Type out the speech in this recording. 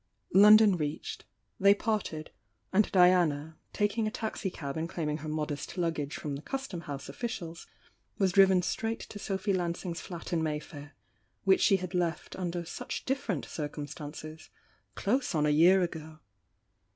London reached, they parted, — and Diana, taking a taxi cab and claiming her modest luggage from the Custom house officials, was driven straight to Sophy Lansing's flat in Mayfair, which she had left under such different circumstances close on a year ago.